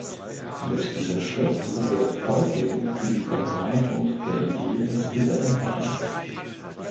Mit dieser Schrift wirbt Kolping für die Verbreitung der Idee des Gesellenvereins.